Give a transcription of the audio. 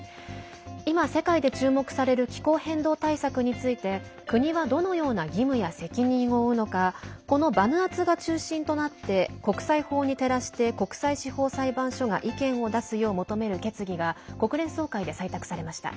今、世界で注目される気候変動対策について国はどのような義務や責任を負うのかこのバヌアツが中心となって国際法に照らして国際司法裁判所が意見を出すよう求める決議が国連総会で採択されました。